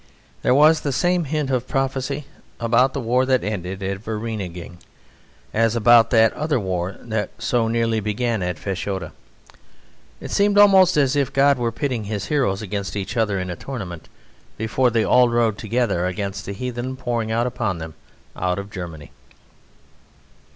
There was the same hint of prophecy about the war that ended at Vereeniging as about that other war that so nearly began at Fashoda. It seemed almost as if God were pitting his heroes against each other in tournament, before they all rode together against the heathen pouring upon them out of Germany.